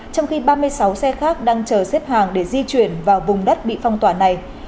trong khi ba mươi sáu xe khác đang chờ xếp hàng để di chuyển vào vùng đất bị phong tỏa này